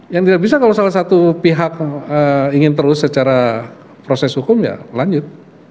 yang tidak bisa kalau salah satu pihak ingin terus secara proses hukum ya lanjut